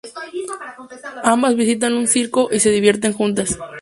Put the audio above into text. Ambas visitan un circo y se divierten juntas.